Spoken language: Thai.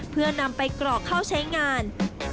เพื่อนำไปกรอกเข้าใช้งาน